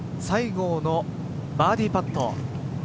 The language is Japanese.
西郷のバーディーパット。